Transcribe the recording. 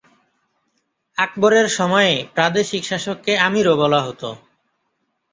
আকবরের সময়ে প্রাদেশিক শাসককে আমীরও বলা হতো।